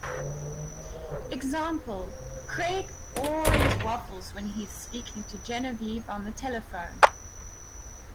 "Example: "Craig always waffles when he's speaking to Genevieve on the telephone".